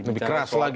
lebih keras lagi